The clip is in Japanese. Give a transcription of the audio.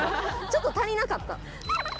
ちょっと足りなかった。